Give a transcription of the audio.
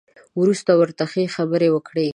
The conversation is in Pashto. وروسته ورته ښې خبرې وکړئ.